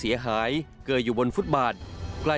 มีบัตรแผลที่ใบหน้า